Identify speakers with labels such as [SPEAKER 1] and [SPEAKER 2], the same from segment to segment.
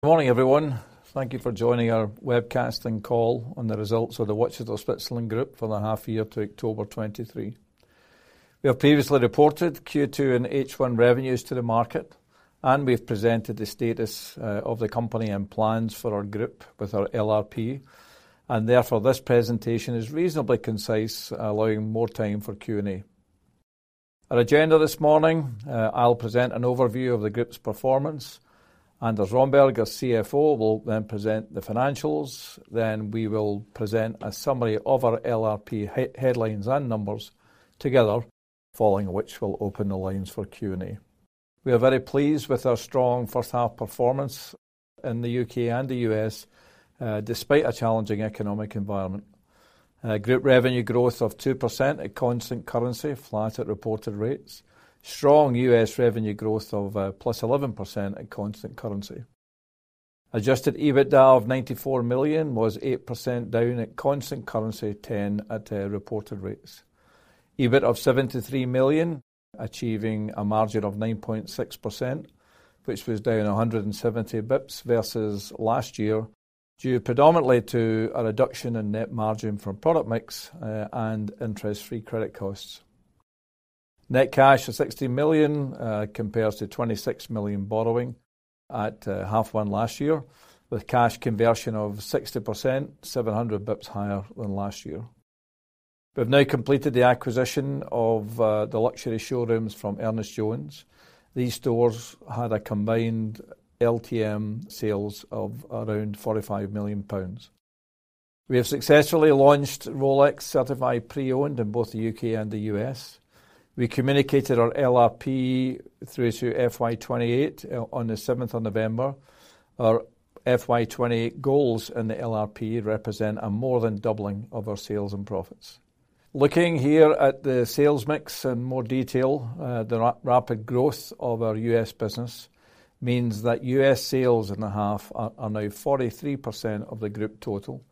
[SPEAKER 1] Good morning, everyone. Thank you for joining our webcast and call on the results of the Watches of Switzerland Group for the half year to October 2023. We have previously reported Q2 and H1 revenues to the market, and we've presented the status of the company and plans for our group with our LRP, and therefore, this presentation is reasonably concise, allowing more time for Q&A. Our agenda this morning, I'll present an overview of the group's performance. Anders Romberg, our CFO, will then present the financials. Then we will present a summary of our LRP headlines and numbers together, following which we'll open the lines for Q&A. We are very pleased with our strong first half performance in the U.K. and the U.S., despite a challenging economic environment. Group revenue growth of 2% at constant currency, flat at reported rates. Strong U.S. revenue growth of +11% at constant currency. Adjusted EBITDA of £94 million was 8% down at constant currency, 10% at reported rates. EBIT of £73 million, achieving a margin of 9.6%, which was down 170 basis points versus last year, due predominantly to a reduction in net margin from product mix and interest-free credit costs. Net cash of £60 million compares to £26 million borrowing at H1 last year, with cash conversion of 60%, 700 basis points higher than last year. We've now completed the acquisition of the luxury showrooms from Ernest Jones. These stores had a combined LTM sales of around £45 million. We have successfully launched Rolex Certified Pre-Owned in both the U.K. and the U.S. We communicated our LRP through to FY 2028 on the seventh of November. Our FY 28 goals in the LRP represent a more than doubling of our sales and profits. Looking here at the sales mix in more detail, the rapid growth of our U.S. business means that U.S. sales in the half are, are now 43% of the group total,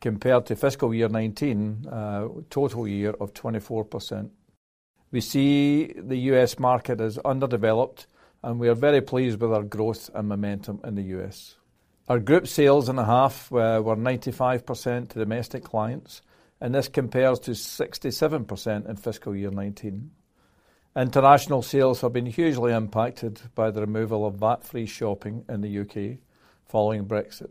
[SPEAKER 1] compared to fiscal year 2019, total year of 24%. We see the U.S. market as underdeveloped, and we are very pleased with our growth and momentum in the U.S. Our group sales in the half were, were 95% to domestic clients, and this compares to 67% in fiscal year 2019. International sales have been hugely impacted by the removal of VAT-free shopping in the U.K. following Brexit.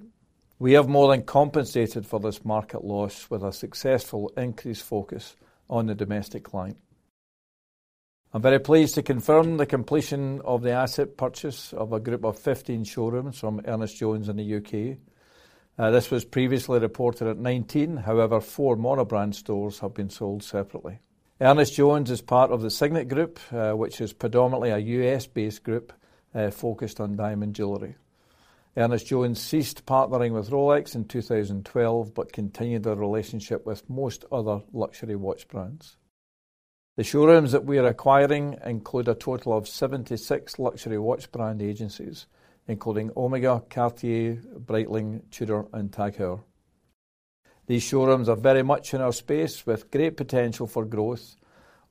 [SPEAKER 1] We have more than compensated for this market loss with a successful increased focus on the domestic client. I'm very pleased to confirm the completion of the asset purchase of a group of 15 showrooms from Ernest Jones in the U.K. This was previously reported at 19, however, four monobrand stores have been sold separately. Ernest Jones is part of the Signet Group, which is predominantly a U.S.-based group, focused on diamond jewelry. Ernest Jones ceased partnering with Rolex in 2012, but continued their relationship with most other luxury watch brands. The showrooms that we are acquiring include a total of 76 luxury watch brand agencies, including Omega, Cartier, Breitling, Tudor, and TAG Heuer. These showrooms are very much in our space with great potential for growth,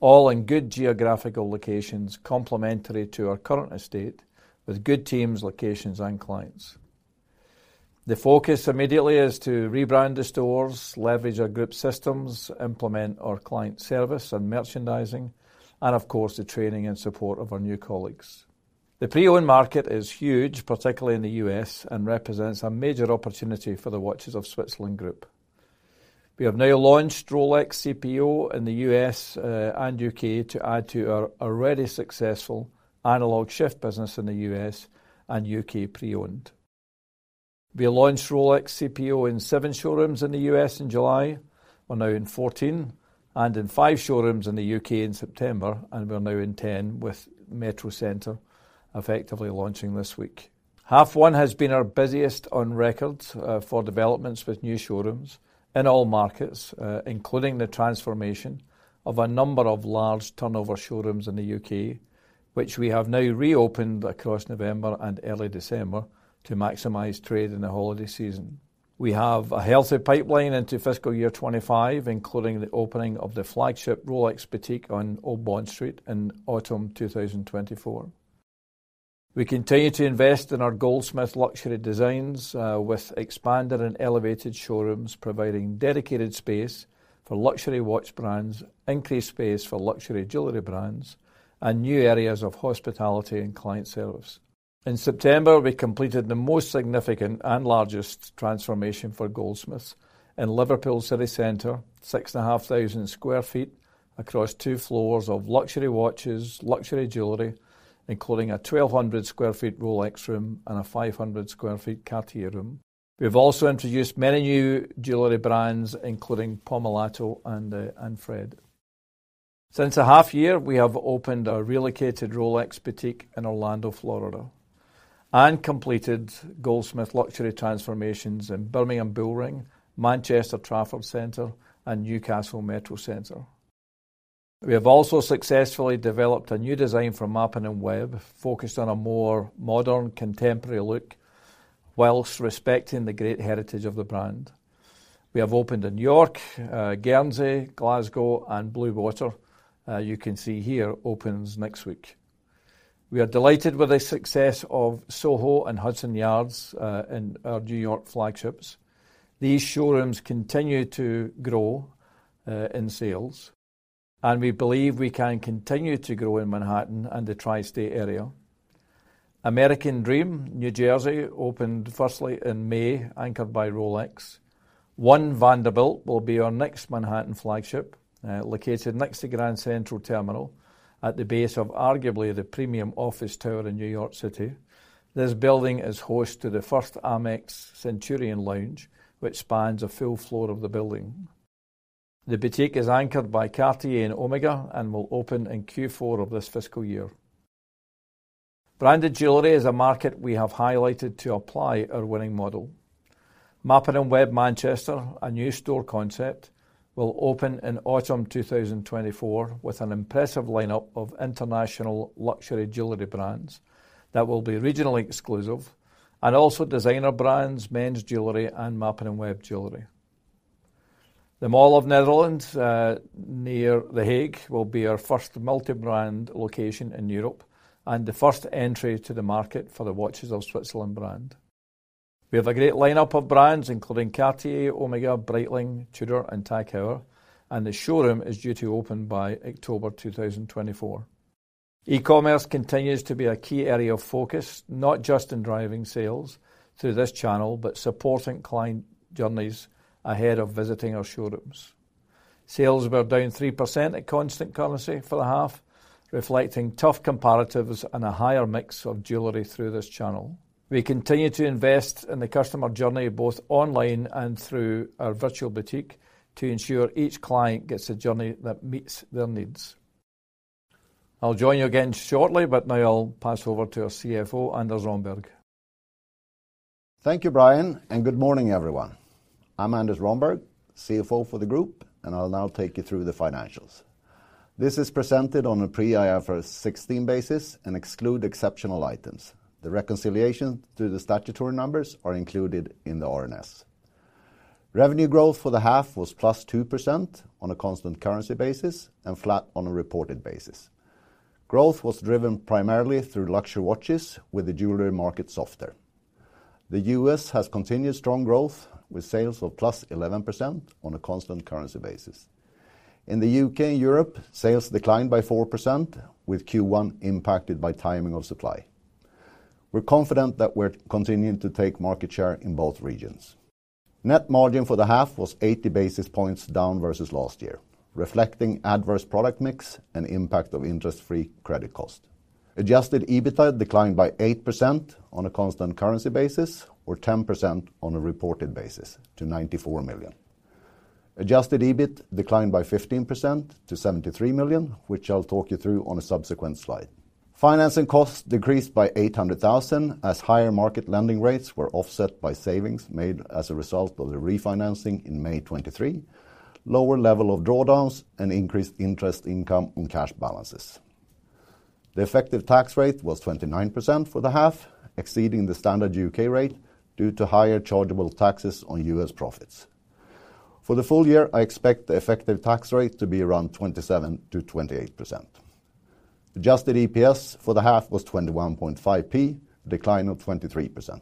[SPEAKER 1] all in good geographical locations, complementary to our current estate, with good teams, locations, and clients. The focus immediately is to rebrand the stores, leverage our group systems, implement our client service and merchandising, and of course, the training and support of our new colleagues. The pre-owned market is huge, particularly in the US, and represents a major opportunity for the Watches of Switzerland Group. We have now launched Rolex CPO in the U.S. and U.K. to add to our already successful Analog Shift business in the U.S. and U.K. pre-owned. We launched Rolex CPO in 7 showrooms in the U.S. in July. We're now in 14, and in 5 showrooms in the U.K. in September, and we're now in 10, with Metrocentre effectively launching this week. Half one has been our busiest on record, for developments with new showrooms in all markets, including the transformation of a number of large turnover showrooms in the U.K., which we have now reopened across November and early December to maximize trade in the holiday season. We have a healthy pipeline into fiscal year 25, including the opening of the flagship Rolex boutique on Old Bond Street in autumn 2024. We continue to invest in our Goldsmiths Luxury designs, with expanded and elevated showrooms, providing dedicated space for luxury watch brands, increased space for luxury jewelry brands, and new areas of hospitality and client service. In September, we completed the most significant and largest transformation for Goldsmiths in Liverpool city center, 6,500 sq ft across two floors of luxury watches, luxury jewelry, including a 1,200 sq ft Rolex room and a 500 sq ft Cartier room. We've also introduced many new jewelry brands, including Pomellato and Fred. Since the half year, we have opened a relocated Rolex boutique in Orlando, Florida, and completed Goldsmiths Luxury transformations in Birmingham Bullring, Manchester Trafford Centre, and Newcastle Metrocentre. We have also successfully developed a new design for Mappin & Webb, focused on a more modern, contemporary look, while respecting the great heritage of the brand. We have opened in New York, Guernsey, Glasgow, and Bluewater, you can see here, opens next week. We are delighted with the success of SoHo and Hudson Yards in our New York flagships. These showrooms continue to grow in sales, and we believe we can continue to grow in Manhattan and the Tri-State Area. American Dream, New Jersey, opened firstly in May, anchored by Rolex. One Vanderbilt will be our next Manhattan flagship, located next to Grand Central Terminal, at the base of arguably the premium office tower in New York City. This building is host to the first Amex Centurion Lounge, which spans a full floor of the building. The boutique is anchored by Cartier and Omega, and will open in Q4 of this fiscal year. Branded Jewelry is a market we have highlighted to apply our winning model. Mappin & Webb Manchester, a new store concept, will open in autumn 2024, with an impressive lineup of international luxury jewelry brands that will be regionally exclusive, and also designer brands, men's jewelry, and Mappin & Webb jewelry. The Mall of the Netherlands, near The Hague, will be our first multi-brand location in Europe, and the first entry to the market for the Watches of Switzerland brand. We have a great lineup of brands, including Cartier, Omega, Breitling, Tudor, and TAG Heuer, and the showroom is due to open by October 2024. E-commerce continues to be a key area of focus, not just in driving sales through this channel, but supporting client journeys ahead of visiting our showrooms. Sales were down 3% at constant currency for the half, reflecting tough comparatives and a higher mix of jewelry through this channel. We continue to invest in the customer journey, both online and through our virtual boutique, to ensure each client gets a journey that meets their needs. I'll join you again shortly, but now I'll pass over to our CFO, Anders Romberg.
[SPEAKER 2] Thank you, Brian, and good morning, everyone. I'm Anders Romberg, CFO for the group, and I'll now take you through the financials. This is presented on a pre-IFRS 16 basis and exclude exceptional items. The reconciliation through the statutory numbers are included in the RNS. Revenue growth for the half was +2% on a constant currency basis and flat on a reported basis. Growth was driven primarily through luxury watches, with the jewelry market softer. The U.S. has continued strong growth, with sales of +11% on a constant currency basis. In the U.K. and Europe, sales declined by 4%, with Q1 impacted by timing of supply. We're confident that we're continuing to take market share in both regions. Net margin for the half was 80 basis points down versus last year, reflecting adverse product mix and impact of interest-free credit cost. Adjusted EBITDA declined by 8% on a constant currency basis, or 10% on a reported basis, to 94 million. Adjusted EBIT declined by 15% to 73 million, which I'll talk you through on a subsequent slide. Financing costs decreased by 800,000, as higher market lending rates were offset by savings made as a result of the refinancing in May 2023, lower level of drawdowns, and increased interest income on cash balances. The effective tax rate was 29% for the half, exceeding the standard U.K. rate due to higher chargeable taxes on U.S. profits. For the full year, I expect the effective tax rate to be around 27%-28%. Adjusted EPS for the half was 21.5p, decline of 23%.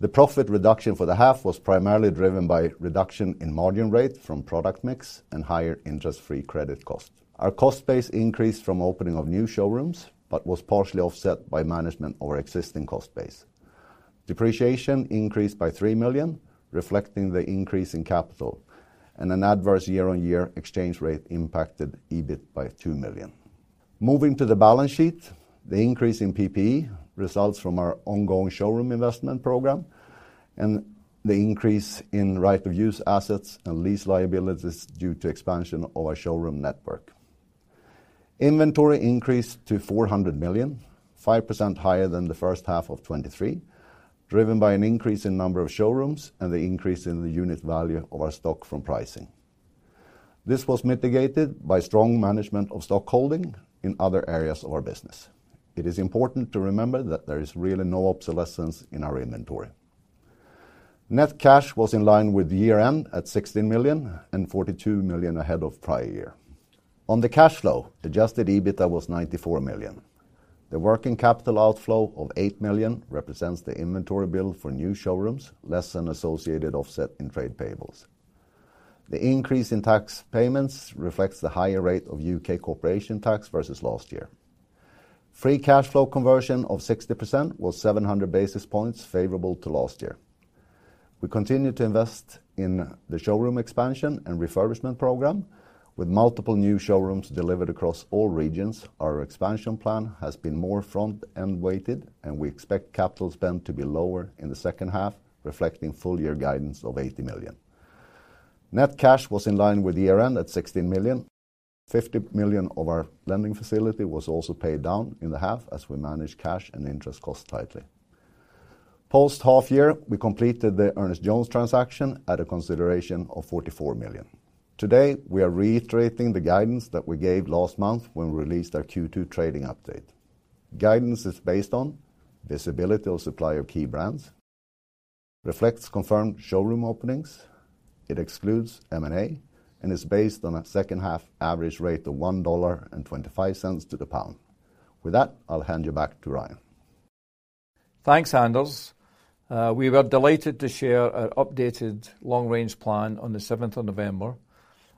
[SPEAKER 2] The profit reduction for the half was primarily driven by reduction in margin rate from product mix and higher interest-free credit cost. Our cost base increased from opening of new showrooms, but was partially offset by management of our existing cost base. Depreciation increased by 3 million, reflecting the increase in capital, and an adverse year-on-year exchange rate impacted EBIT by 2 million. Moving to the balance sheet, the increase in PPE results from our ongoing showroom investment program and the increase in Right of Use Assets and lease liabilities due to expansion of our showroom network. Inventory increased to 400 million, 5% higher than the first half of 2023, driven by an increase in number of showrooms and the increase in the unit value of our stock from pricing. This was mitigated by strong management of stockholding in other areas of our business. It is important to remember that there is really no obsolescence in our inventory. Net cash was in line with year-end at 16 million and 42 million ahead of prior year. On the cash flow, adjusted EBITDA was 94 million. The working capital outflow of 8 million represents the inventory build for new showrooms, less than associated offset in trade payables. The increase in tax payments reflects the higher rate of U.K. corporation tax versus last year. Free cash flow conversion of 60% was 700 basis points favorable to last year. We continue to invest in the showroom expansion and refurbishment program. With multiple new showrooms delivered across all regions, our expansion plan has been more front-end weighted, and we expect capital spend to be lower in the second half, reflecting full year guidance of 80 million. Net cash was in line with year-end at 16 million. 50 million of our lending facility was also paid down in the half as we managed cash and interest costs tightly. Post half year, we completed the Ernest Jones transaction at a consideration of 44 million. Today, we are reiterating the guidance that we gave last month when we released our Q2 trading update. Guidance is based on visibility of supply of key brands, reflects confirmed showroom openings, it excludes M&A, and is based on a second half average rate of $1.25 to the pound. With that, I'll hand you back to Brian.
[SPEAKER 1] Thanks, Anders. We were delighted to share our updated long-range plan on the seventh of November.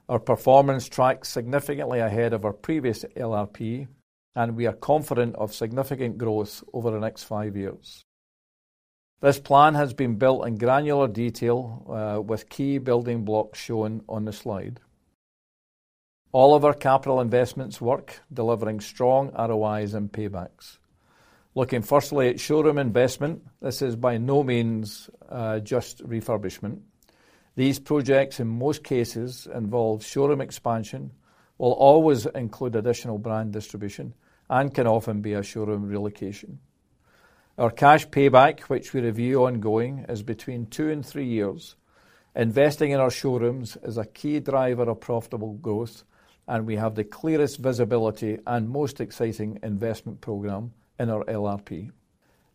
[SPEAKER 1] Our performance tracks significantly ahead of our previous LRP, and we are confident of significant growth over the next five years. This plan has been built in granular detail, with key building blocks shown on the slide. All of our capital investments work, delivering strong ROIs and paybacks. Looking firstly at showroom investment, this is by no means just refurbishment. These projects, in most cases, involve showroom expansion, will always include additional brand distribution, and can often be a showroom relocation. Our cash payback, which we review ongoing, is between two and three years. Investing in our showrooms is a key driver of profitable growth, and we have the clearest visibility and most exciting investment program in our LRP.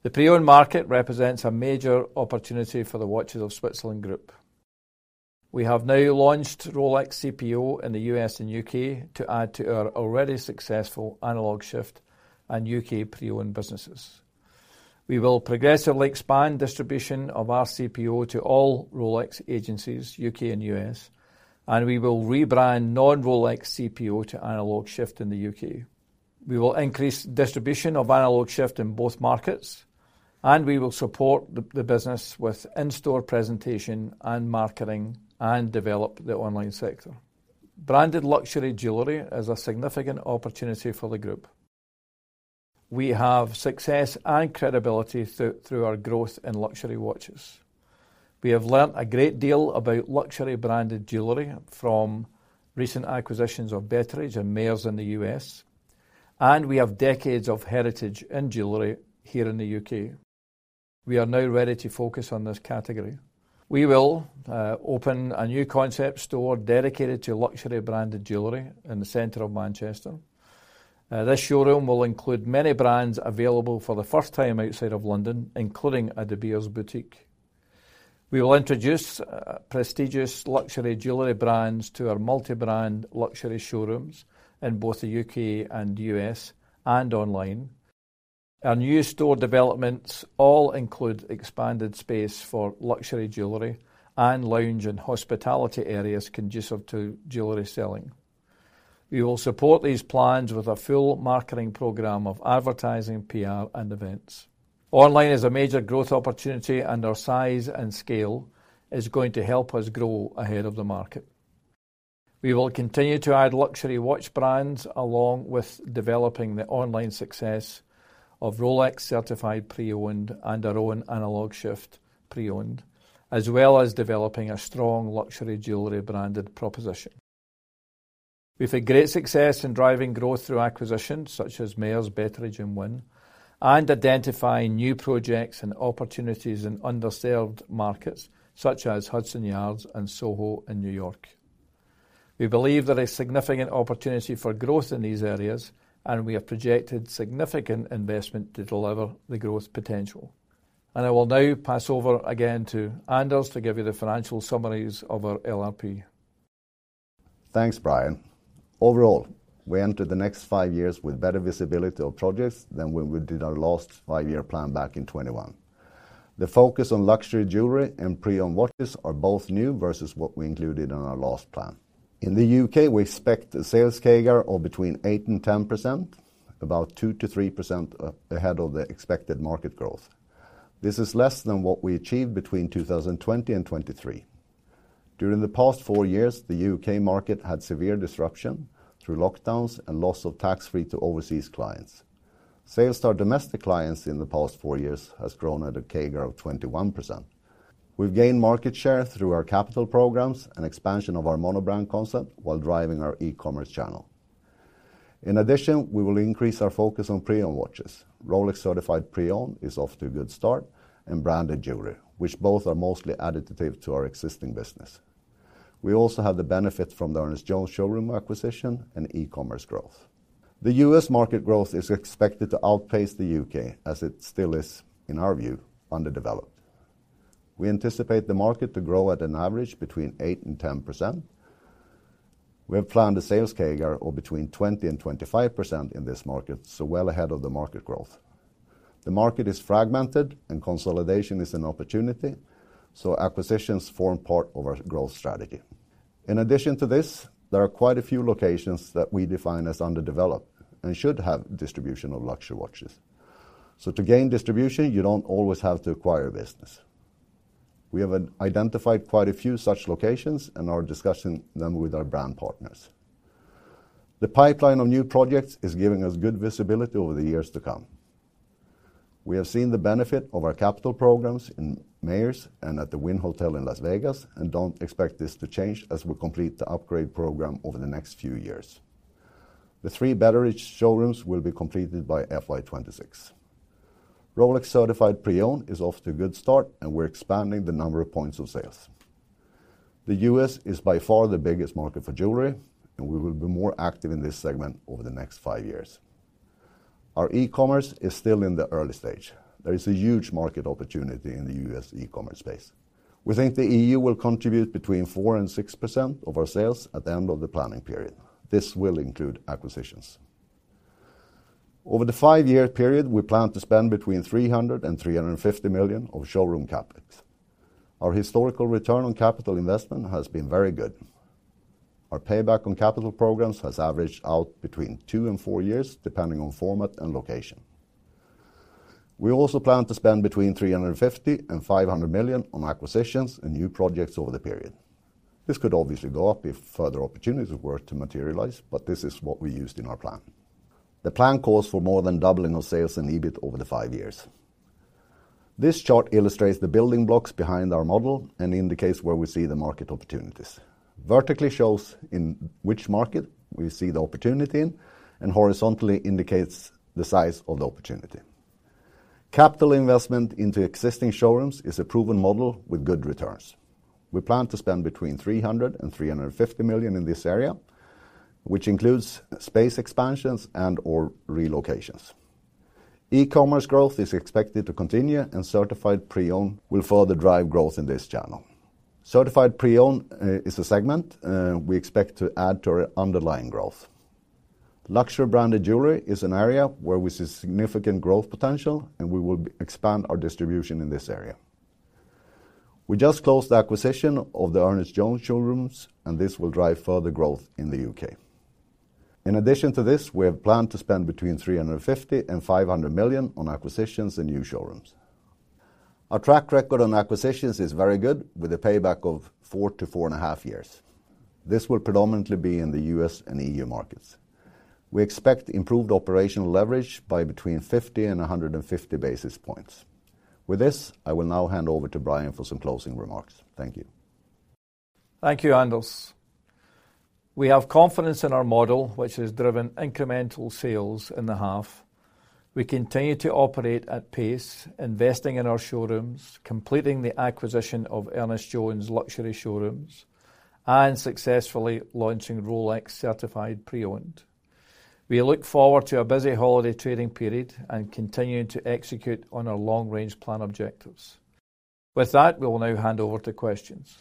[SPEAKER 1] The pre-owned market represents a major opportunity for the Watches of Switzerland Group. We have now launched Rolex CPO in the U.S. and U.K. to add to our already successful Analog Shift in U.K. pre-owned businesses. We will progressively expand distribution of our CPO to all Rolex agencies, U.K. and U.S., and we will rebrand non-Rolex CPO to Analog Shift in the U.K. We will increase distribution of Analog Shift in both markets, and we will support the business with in-store presentation and marketing, and develop the online sector. Branded luxury jewelry is a significant opportunity for the group. We have success and credibility through our growth in luxury watches. We have learned a great deal about luxury branded jewelry from recent acquisitions of Betteridge and Mayors in the U.S., and we have decades of heritage in jewelry here in the U.K. We are now ready to focus on this category. We will open a new concept store dedicated to luxury branded jewelry in the center of Manchester. This showroom will include many brands available for the first time outside of London, including a De Beers boutique. We will introduce prestigious luxury jewelry brands to our multi-brand luxury showrooms in both the U.K. and U.S., and online. Our new store developments all include expanded space for luxury jewelry, and lounge and hospitality areas conducive to jewelry selling. We will support these plans with a full marketing program of advertising, PR, and events. Online is a major growth opportunity, and our size and scale is going to help us grow ahead of the market. We will continue to add luxury watch brands, along with developing the online success of Rolex Certified Pre-Owned, and our own Analog Shift pre-owned, as well as developing a strong luxury jewelry branded proposition. We've had great success in driving growth through acquisitions, such as Mayors, Betteridge, and Wynn, and identifying new projects and opportunities in underserved markets, such as Hudson Yards and Soho in New York. We believe there is significant opportunity for growth in these areas, and we have projected significant investment to deliver the growth potential. I will now pass over again to Anders to give you the financial summaries of our LRP.
[SPEAKER 2] Thanks, Brian. Overall, we enter the next five years with better visibility of projects than when we did our last five-year plan back in 2021. The focus on luxury jewelry and pre-owned watches are both new versus what we included in our last plan. In the U.K., we expect a sales CAGR of between 8% and 10%, about 2%-3% ahead of the expected market growth. This is less than what we achieved between 2020 and 2023. During the past four years, the U.K. market had severe disruption through lockdowns and loss of tax-free to overseas clients. Sales to our domestic clients in the past four years has grown at a CAGR of 21%. We've gained market share through our capital programs and expansion of our monobrand concept, while driving our e-commerce channel. In addition, we will increase our focus on pre-owned watches. Rolex Certified Pre-Owned is off to a good start, and branded jewelry, which both are mostly additive to our existing business. We also have the benefit from the Ernest Jones showroom acquisition and E-commerce growth. The U.S. market growth is expected to outpace the U.K., as it still is, in our view, underdeveloped. We anticipate the market to grow at an average between 8% and 10%. We have planned a sales CAGR of between 20% and 25% in this market, so well ahead of the market growth. The market is fragmented and consolidation is an opportunity, so acquisitions form part of our growth strategy. In addition to this, there are quite a few locations that we define as underdeveloped, and should have distribution of luxury watches. So to gain distribution, you don't always have to acquire a business. We have identified quite a few such locations, and are discussing them with our brand partners. The pipeline of new projects is giving us good visibility over the years to come. We have seen the benefit of our capital programs in Mayors and at the Wynn Hotel in Las Vegas, and don't expect this to change as we complete the upgrade program over the next few years. The three Betteridge showrooms will be completed by FY 2026. Rolex Certified Pre-Owned is off to a good start, and we're expanding the number of points of sales. The U.S. is by far the biggest market for jewelry, and we will be more active in this segment over the next five years. Our e-commerce is still in the early stage. There is a huge market opportunity in the U.S. e-commerce space. We think the EU will contribute between 4%-6% of our sales at the end of the planning period. This will include acquisitions. Over the 5-year period, we plan to spend between 300-350 million of showroom capital. Our historical return on capital investment has been very good. Our payback on capital programs has averaged out between 2-4 years, depending on format and location. We also plan to spend between 350-500 million on acquisitions and new projects over the period. This could obviously go up if further opportunities were to materialize, but this is what we used in our plan. The plan calls for more than doubling of sales and EBIT over the 5 years. This chart illustrates the building blocks behind our model and indicates where we see the market opportunities. Vertically shows in which market we see the opportunity, and horizontally indicates the size of the opportunity. Capital investment into existing showrooms is a proven model with good returns. We plan to spend between 300 million and 350 million in this area, which includes space expansions and or relocations. E-commerce growth is expected to continue, and Certified Pre-Owned will further drive growth in this channel. Certified Pre-Owned is a segment we expect to add to our underlying growth. Luxury branded jewelry is an area where we see significant growth potential, and we will expand our distribution in this area. We just closed the acquisition of the Ernest Jones showrooms, and this will drive further growth in the UK. In addition to this, we have planned to spend between 350 million and 500 million on acquisitions and new showrooms. Our track record on acquisitions is very good, with a payback of 4-4.5 years. This will predominantly be in the U.S. and EU markets. We expect improved operational leverage by between 50 and 150 basis points. With this, I will now hand over to Brian for some closing remarks. Thank you.
[SPEAKER 1] Thank you, Anders. We have confidence in our model, which has driven incremental sales in the half. We continue to operate at pace, investing in our showrooms, completing the acquisition of Ernest Jones luxury showrooms, and successfully launching Rolex Certified Pre-Owned. We look forward to a busy holiday trading period and continuing to execute on our Long-Range Plan objectives. With that, we will now hand over to questions.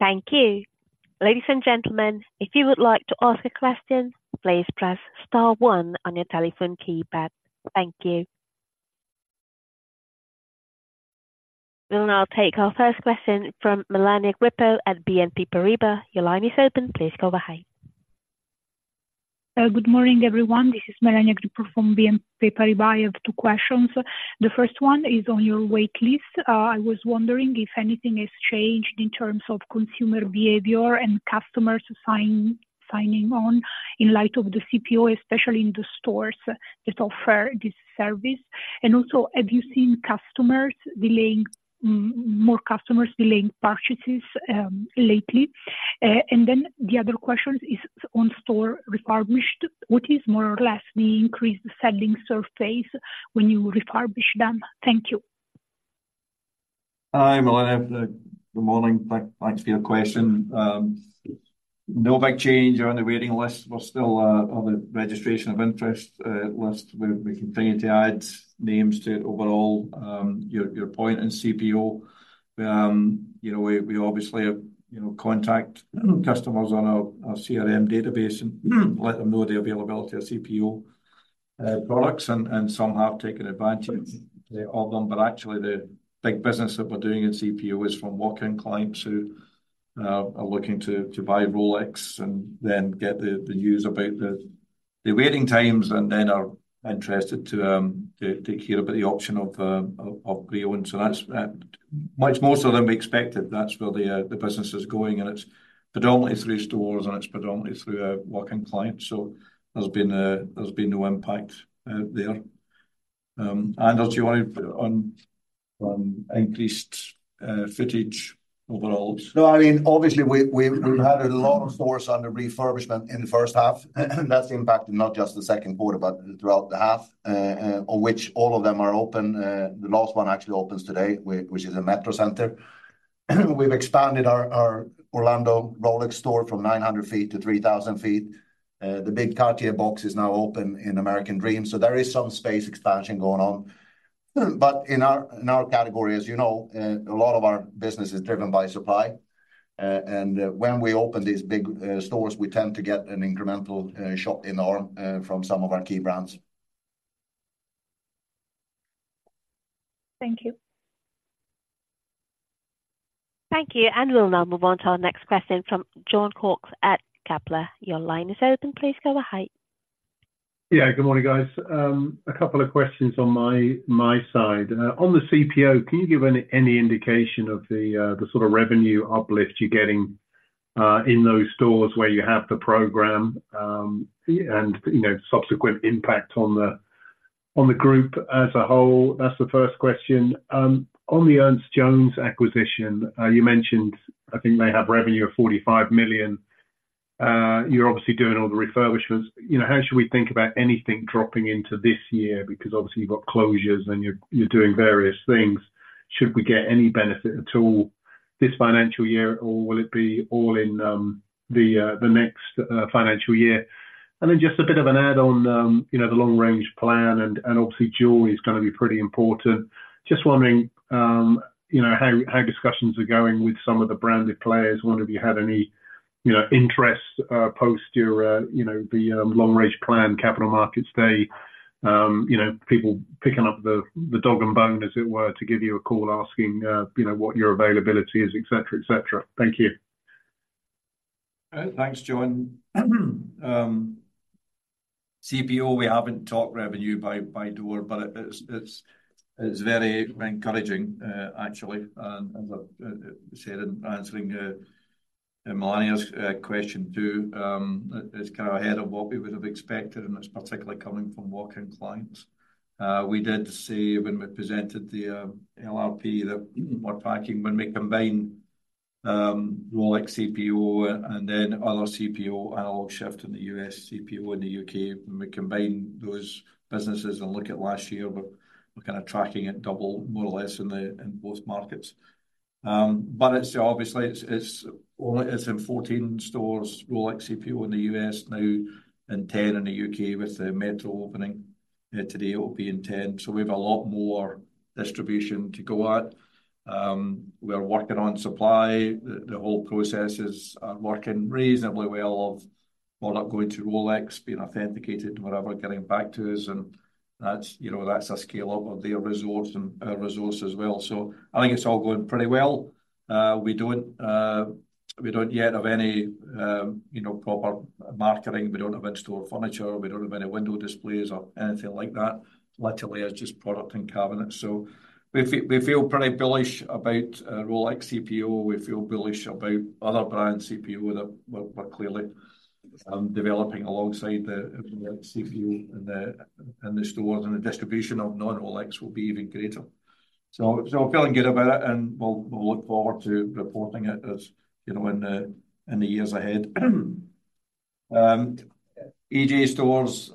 [SPEAKER 3] Thank you. Ladies and gentlemen, if you would like to ask a question, please press star one on your telephone keypad. Thank you. We'll now take our first question from Melania Grippo at BNP Paribas. Your line is open. Please go ahead.
[SPEAKER 4] Good morning, everyone. This is Melania Grippo from BNP Paribas. I have two questions. The first one is on your wait list. I was wondering if anything has changed in terms of consumer behavior and customers signing on in light of the CPO, especially in the stores that offer this service. Have you seen more customers delaying purchases lately? Then the other question is on store refurbished. What is more or less the increased selling surface when you refurbish them? Thank you.
[SPEAKER 1] Hi, Melania. Good morning. Thanks for your question. No big change on the waiting list. We're still on the registration of interest list. We continue to add names to it. Overall, your point in CPO, you know, we obviously, you know, contact customers on our CRM database and let them know the availability of CPO products, and some have taken advantage of them. Actually, the big business that we're doing in CPO is from walk-in clients who are looking to buy Rolex and then get the news about the waiting times and then are interested to hear about the option of pre-owned. That's much more so than we expected. That's where the business is going, and it's predominantly through stores, and it's predominantly through our walk-in clients. There's been no impact there. Anders, do you want to on increased footage overall?
[SPEAKER 2] No, I mean, obviously, we've had a lot of stores under refurbishment in the first half, and that's impacted not just the second quarter but throughout the half, on which all of them are open. The last one actually opens today, which is a Metrocentre. We've expanded our Orlando Rolex store from 900 feet to 3,000 feet. The big Cartier box is now open in American Dream, so there is some space expansion going on. In our category, as you know, a lot of our business is driven by supply. When we open these big stores, we tend to get an incremental shop-in from some of our key brands.
[SPEAKER 4] Thank you.
[SPEAKER 3] Thank you. We'll now move on to our next question from Jon Cox at Kepler. Your line is open. Please go ahead.
[SPEAKER 5] Yeah. Good morning, guys. A couple of questions on my, my side. On the CPO, can you give any, any indication of the, the sort of revenue uplift you're getting, in those stores where you have the program, and, you know, subsequent impact on the group as a whole, that's the first question. On the Ernest Jones acquisition, you mentioned, I think they have revenue of 45 million. You're obviously doing all the refurbishments. You know, how should we think about anything dropping into this year? Because obviously, you've got closures, and you're, you're doing various things. Should we get any benefit at all this financial year, or will it be all in, the, the next, financial year? Then just a bit of an add-on, you know, the long-range plan, and obviously, jewelry is gonna be pretty important. Just wondering, you know, how discussions are going with some of the branded players. Wonder if you had any, you know, interests post your, you know, the long-range plan, capital markets day. You know, people picking up the dog and bone, as it were, to give you a call, asking, you know, what your availability is, et cetera, et cetera. Thank you.
[SPEAKER 1] Thanks, Jon. CPO, we haven't talked revenue by door, but it's very encouraging, actually, and as I said in answering Melania's question, too. It's kind of ahead of what we would have expected, and it's particularly coming from walk-in clients. We did say when we presented the LRP that we were tracking, when we combine Rolex CPO and then other CPO, Analog Shift in the U.S., CPO in the U.K. When we combine those businesses and look at last year, we're kinda tracking at double, more or less, in both markets. But it's obviously only in 14 stores, Rolex CPO in the U.S. now, and 10 in the U.K. With the Metro opening today, it will be in 10. We have a lot more distribution to go at. We're working on supply. The whole process is working reasonably well of product going to Rolex, being authenticated, whatever, getting back to us, and that's, you know, that's a scale-up of their resource and our resource as well. So I think it's all going pretty well. We don't yet have any, you know, proper marketing. We don't have in-store furniture. We don't have any window displays or anything like that. Literally, it's just product and cabinets. We feel pretty bullish about Rolex CPO. We feel bullish about other brand CPO that we're clearly developing alongside the Rolex CPO in the stores, and the distribution of non-Rolex will be even greater. We're feeling good about it, and we'll look forward to reporting it, as you know, in the years ahead. EJ Stores,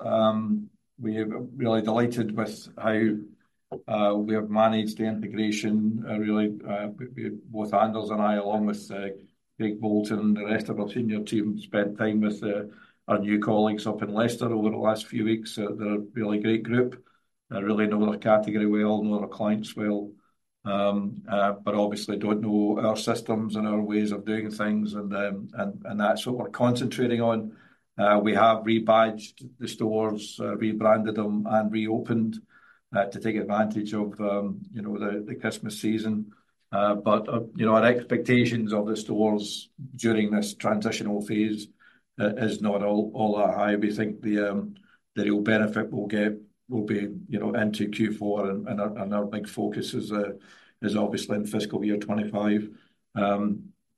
[SPEAKER 1] we are really delighted with how we have managed the integration, really, with both Anders and I, along with Craig Bolton and the rest of our senior team, spent time with our new colleagues up in Leicester over the last few weeks. They're a really great group, really know their category well, know their clients well, but obviously don't know our systems and our ways of doing things, and that's what we're concentrating on. We have rebadged the stores, rebranded them, and reopened to take advantage of, you know, the Christmas season. Our expectations of the stores during this transitional phase is not all that high. We think the real benefit we'll get will be, you know, into Q4, and our big focus is obviously in fiscal year 25.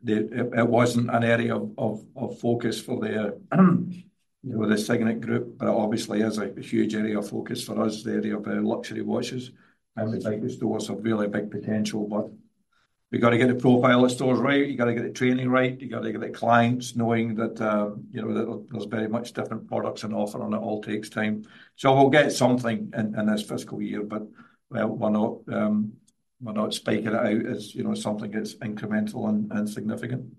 [SPEAKER 1] It wasn't an area of focus for the, you know, the Signet Group, but it obviously is a huge area of focus for us, the area of our luxury watches We think the stores have really big potential, but we've got to get the profile of stores right. You've got to get the training right. You've got to get the clients knowing that, you know, that there's very much different products on offer, and it all takes time. We'll get something in this fiscal year, but well, we're not spiking it out. As you know, something that's incremental and significant.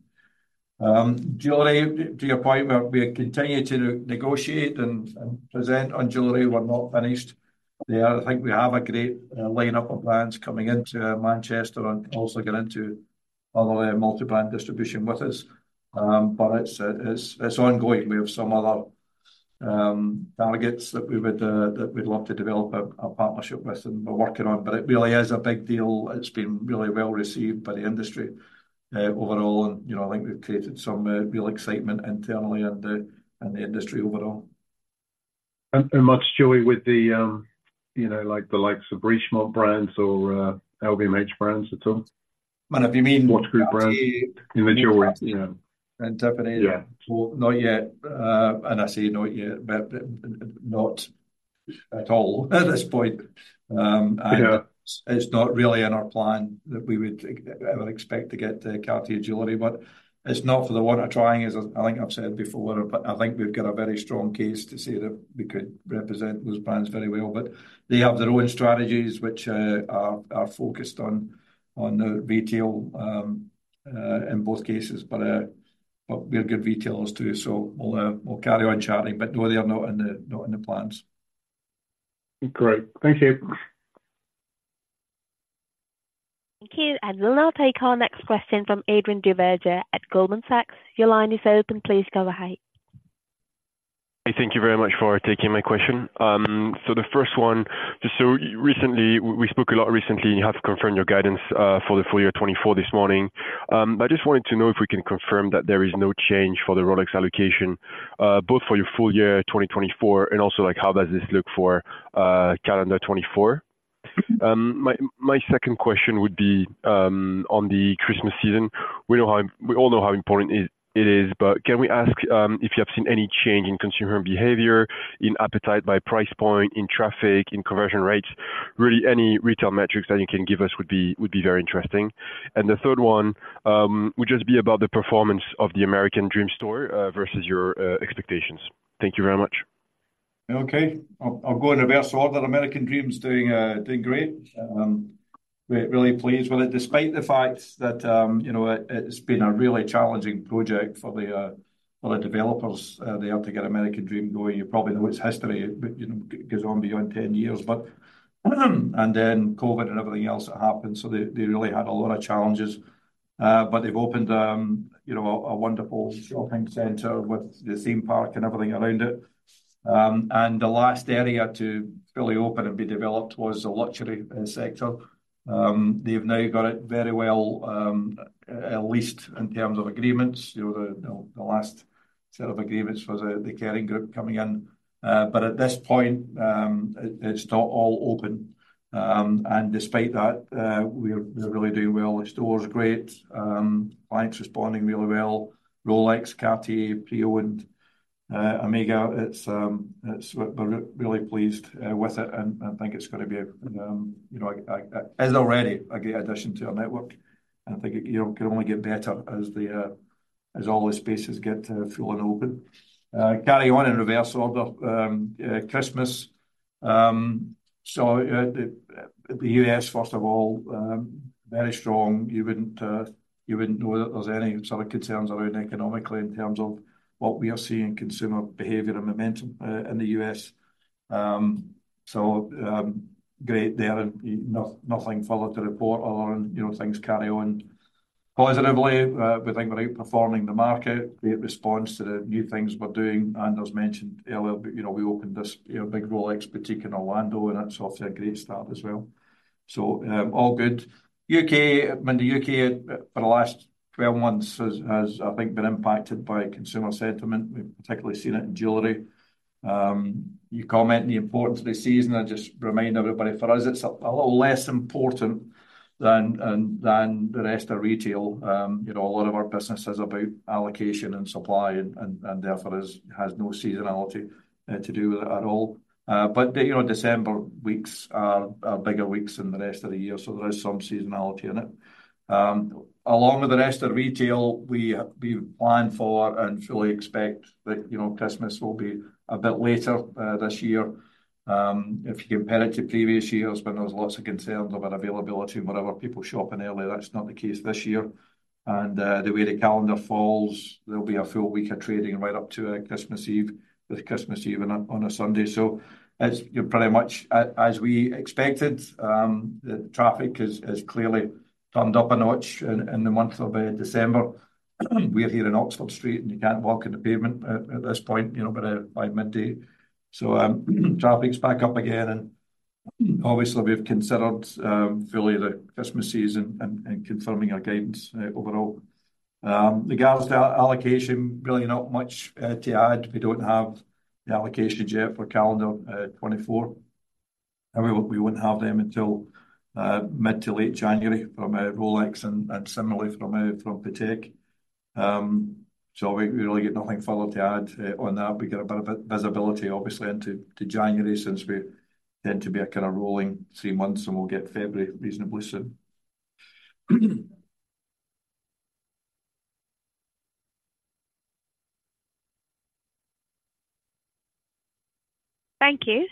[SPEAKER 1] Jewelry, to your point, we continue to negotiate and present on jewelry. We're not finished there. I think we have a great lineup of brands coming into Manchester and also getting into other multi-brand distribution with us. But it's ongoing. We have some other targets that we'd love to develop a partnership with and we're working on, but it really is a big deal. It's been really well-received by the industry overall, and, you know, I think we've created some real excitement internally and in the industry overall.
[SPEAKER 5] Much jewelry with the, you know, like the likes of Richemont brands or LVMH brands at all?
[SPEAKER 1] Well, if you mean-
[SPEAKER 5] Watch Group brands.
[SPEAKER 1] Cartier-
[SPEAKER 5] In the jewelry, yeah.
[SPEAKER 1] Tiffany?
[SPEAKER 5] Yeah.
[SPEAKER 1] Well, not yet.I say not yet, but not at all at this point. And-
[SPEAKER 5] Yeah
[SPEAKER 1] It's not really in our plan that we would ever expect to get to Cartier jewelry, but it's not for the want of trying, as I think I've said before. But I think we've got a very strong case to say that we could represent those brands very well, but they have their own strategies, which are focused on retail in both cases. We're good retailers, too, so we'll carry on chatting. But no, they are not in the plans.
[SPEAKER 5] Great. Thank you.
[SPEAKER 3] Thank you, and we'll now take our next question from Adrian Duberger at Goldman Sachs. Your line is open. Please go ahead.
[SPEAKER 6] Hey, thank you very much for taking my question. The first one, just so recently... We spoke a lot recently, you have confirmed your guidance for the full year 2024 this morning. I just wanted to know if we can confirm that there is no change for the Rolex allocation, both for your full year 2024, and also, like, how does this look for calendar 2024? My second question would be on the Christmas season. We know how, we all know how important it is, but can we ask if you have seen any change in consumer behavior, in appetite by price point, in traffic, in conversion rates? Really, any retail metrics that you can give us would be very interesting. The third one would just be about the performance of the American Dream store versus your expectations. Thank you very much.
[SPEAKER 1] Okay. I'll go in reverse order. American Dream is doing great. We're really pleased with it, despite the fact that, you know, it's been a really challenging project for the developers. They had to get American Dream going. You probably know its history, but, you know, it goes on beyond ten years, but, and then COVID and everything else that happened, so they really had a lot of challenges. They've opened, you know, a wonderful shopping center with the theme park and everything around it. And the last area to fully open and be developed was the luxury sector. They've now got it very well leased in terms of agreements. You know, the last set of agreements was the Kering Group coming in. At this point, it's not all open. And despite that, we're really doing well. The store is great. Clients responding really well. Rolex, Cartier, Pre-Owned, Omega, we're really pleased with it, and think it's gonna be, you know, a... is already a great addition to our network. I think it, you know, can only get better as all the space get full and open. Carry on in reverse order. Christmas.The U.S., first of all, very strong. You wouldn't know that there's any sort of concerns around economically in terms of what we are seeing in consumer behavior and momentum in the U.S. Great there, and nothing further to report on, you know, things carry on positively. We think we're outperforming the market. Great response to the new things we're doing. Anders mentioned earlier, but, you know, we opened this, you know, big Rolex boutique in Orlando, and it's off to a great start as well. All good. U.K., I mean, the U.K., for the last 12 months has, I think, been impacted by consumer sentiment. We've particularly seen it in jewelry. You comment on the importance of the season. I just remind everybody, for us, it's a little less important than the rest of retail. You know, a lot of our business is about allocation and supply and therefore has no seasonality to do with it at all. You know, December weeks are bigger weeks than the rest of the year, so there is some seasonality in it. Along with the rest of retail, we plan for and truly expect that, you know, Christmas will be a bit later this year. If you compare it to previous years, when there was lots of concerns about availability and whatever, people shopping early, that's not the case this year. The way the calendar falls, there'll be a full week of trading right up to Christmas Eve, with Christmas Eve on a Sunday. So it's, you know, pretty much as we expected, the traffic has clearly turned up a notch in the month of December. We're here in Oxford Street, and you can't walk on the pavement at this point, you know, by midday. Traffic's back up again, and obviously, we've considered fully the Christmas season and confirming our guidance overall. Regards to allocation, really not much to add. We don't have the allocations yet for calendar 2024, and we wouldn't have them until mid to late January from Rolex and similarly from Patek. We really got nothing further to add on that. We get a bit of visibility, obviously, into January, since we tend to be a kind of rolling three months, and we'll get February reasonably soon.
[SPEAKER 3] Thank you.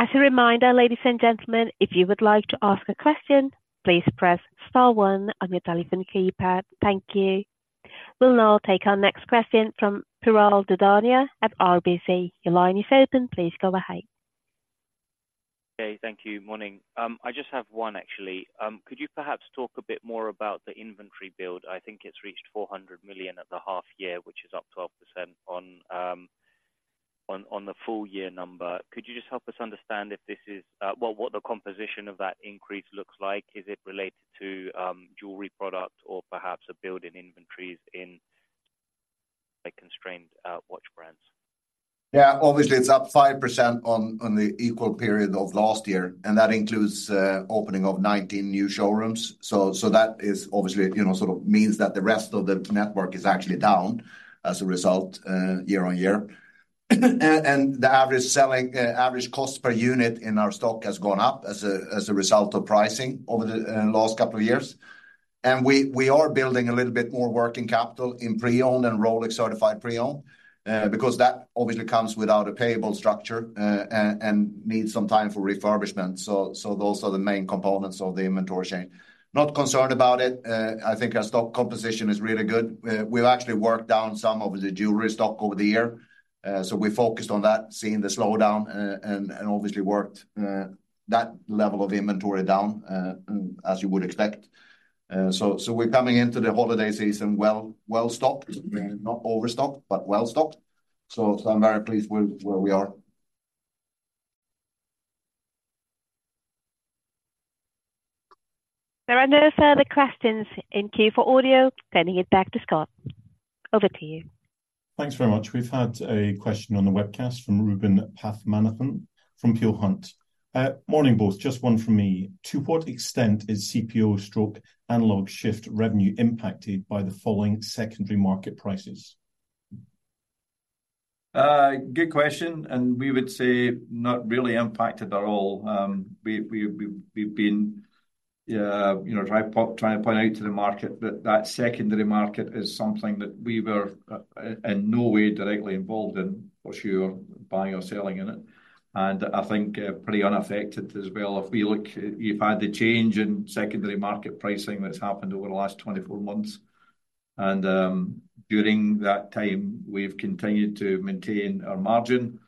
[SPEAKER 3] As a reminder, ladies and gentlemen, if you would like to ask a question, please press star one on your telephone keypad. Thank you. We'll now take our next question from Piral Dadhania at RBC. Your line is open. Please go ahead.
[SPEAKER 7] Okay, thank you. Morning. I just have one, actually. Could you perhaps talk a bit more about the inventory build? I think it's reached 400 million at the half year, which is up 12% on, on, on the full year number. Could you just help us understand if this is, well, what the composition of that increase looks like? Is it related to, jewelry products or perhaps a build in inventories in, like, constrained, watch brands?
[SPEAKER 8] Yeah, obviously, it's up 5% on the equal period of last year, and that includes opening of 19 new showrooms. That is obviously, you know, sort of means that the rest of the network is actually down as a result year on year. The average selling average cost per unit in our stock has gone up as a result of pricing over the last couple of years. We are building a little bit more working capital in pre-owned and Rolex Certified Pre-Owned because that obviously comes without a payable structure and needs some time for refurbishment. So those are the main components of the inventory chain. Not concerned about it. I think our stock composition is really good. We've actually worked down some of the jewelry stock over the year. We focused on that, seeing the slowdown, and obviously worked that level of inventory down, as you would expect. We're coming into the holiday season well, well-stocked. Not overstocked, but well-stocked. I'm very pleased with where we are....
[SPEAKER 3] There are no further questions in queue for audio. Sending it back to Scott. Over to you.
[SPEAKER 7] Thanks very much. We've had a question on the webcast from Reuben Pathmanathan from Peel Hunt. Morning, both. Just one from me. To what extent is CPO / Analog Shift revenue impacted by the falling secondary market prices?
[SPEAKER 1] Good question, and we would say not really impacted at all. We've been, you know, trying to point out to the market that that secondary market is something that we were in no way directly involved in. Of course, buying or selling in it, and I think, pretty unaffected as well. If we look, you've had the change in secondary market pricing that's happened over the last 24 months, and, during that time, we've continued to maintain our margin,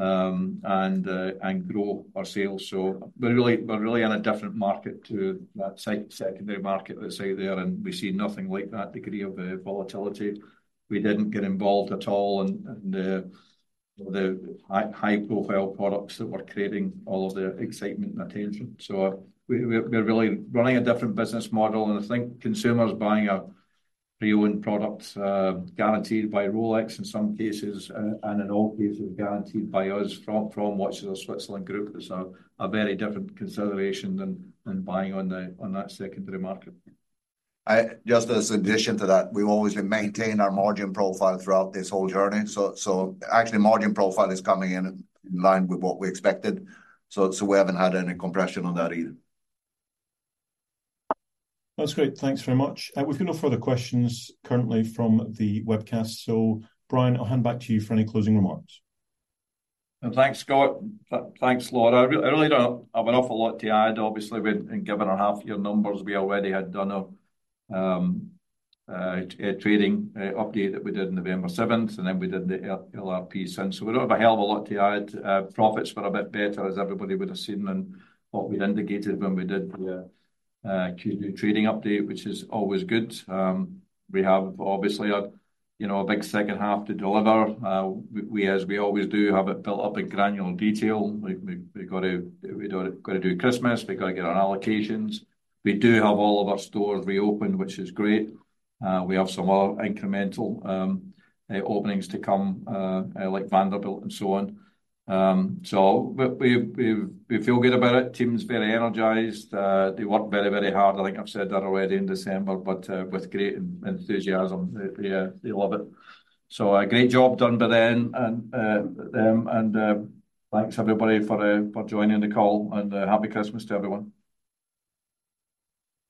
[SPEAKER 1] and grow our sales. We're really in a different market to that secondary market that's out there, and we see nothing like that degree of, volatility. We didn't get involved at all in, the high-profile products that were creating all of the excitement and attention. We're really running a different business model, and I think consumers buying a pre-owned product guaranteed by Rolex in some cases, and in all cases, guaranteed by us from Watches of Switzerland Group, is a very different consideration than buying on that secondary market.
[SPEAKER 8] Just as an addition to that, we've always been maintaining our margin profile throughout this whole journey. Actually, margin profile is coming in line with what we expected. So, we haven't had any compression on that either.
[SPEAKER 9] That's great. Thanks very much. We've got no further questions currently from the webcast, so Brian, I'll hand back to you for any closing remarks.
[SPEAKER 1] Thanks, Scott. Thanks, Laura. I really don't have an awful lot to add. Obviously, we've, in giving our half-year numbers, we already had done a trading update that we did November seventh, and then we did the LRP since. We don't have a hell of a lot to add. Profits were a bit better, as everybody would have seen, than what we indicated when we did the Q2 trading update, which is always good. We have obviously a, you know, a big second half to deliver. We, as we always do, have it built up in granular detail. We've got to do Christmas, we've got to get our allocations. We do have all of our stores reopened, which is great. We have some more incremental openings to come, like Vanderbilt and so on. We feel good about it. Team's very energized. They work very, very hard, I think I've said that already, in December, but with great enthusiasm. They love it. A great job done by them, and thanks, everybody, for joining the call, and happy Christmas to everyone.